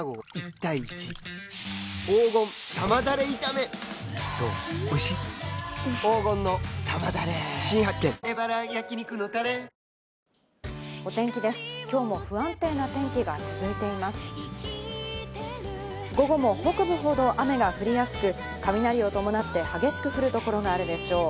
午後も北部ほど雨が降りやすく、雷を伴って激しく降る所があるでしょう。